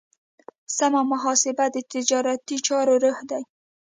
سمه محاسبه د تجارتي چارو روح دی.